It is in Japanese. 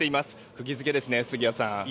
釘付けですね、杉谷さん。